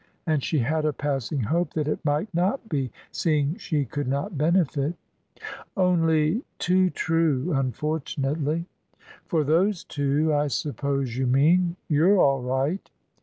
and she had a passing hope that it might not be, seeing she could not benefit. "Only too true, unfortunately." "For those two, I suppose you mean. You're all right."